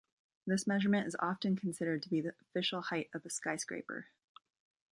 This measurement is often considered to be the official height of a skyscraper.